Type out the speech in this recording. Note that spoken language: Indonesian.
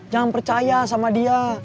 jangan percaya sama dia